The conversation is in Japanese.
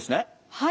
はい。